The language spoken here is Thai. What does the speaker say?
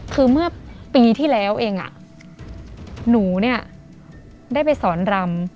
คือเมื่อปีที่แล้วเองหนูเนี่ยได้ไปสอนรำ